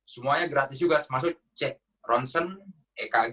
semuanya gratis juga termasuk cek ronsen ekg